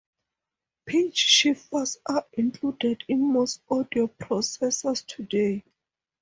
Pitch shifters are included in most audio processors today.